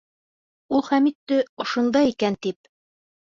Ул Хәмитте ошонда икән тип...